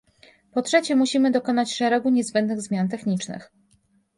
Po trzecie, musimy dokonać szeregu niezbędnych zmian technicznych